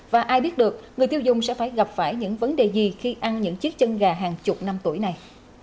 và ai biết được người tiêu dùng sẽ phải gặp phải những vấn đề gì khi ăn những chiếc chân gà hàng chục năm tuổi này